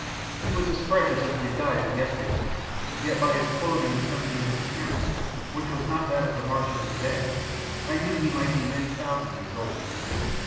He was as fresh as if he had died but yesterday, yet by his clothing and something in his appearance, which was not that of the Martian of to day, I knew he might be many thousand years old.